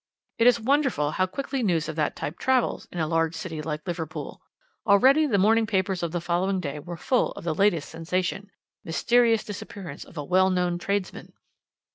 It is wonderful how quickly news of that type travels in a large city like Liverpool. Already the morning papers of the following day were full of the latest sensation: 'Mysterious disappearance of a well known tradesman.'